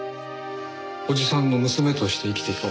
おじさんの娘として生きていく